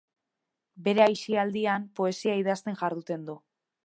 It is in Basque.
Bere aisialdian poesia idazten jarduten du.